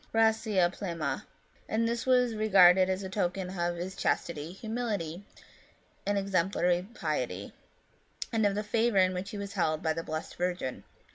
gracid plena !" and this was regarded as a token of his chastity, humility, and exemplary piety, and of the favour in which he was held by the Blessed Virgin.